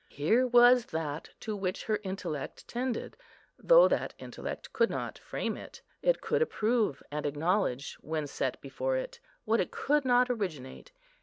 Here was that to which her intellect tended, though that intellect could not frame it. It could approve and acknowledge, when set before it, what it could not originate.